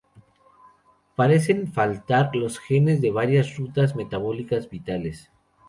Parecen faltar los genes de varias rutas metabólicas vitales.